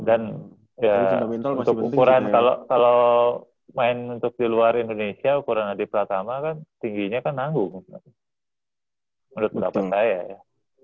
dan ya untuk ukuran kalau kalau main untuk di luar indonesia ukuran adipratama kan tingginya kan nanggung menurut pendapat saya ya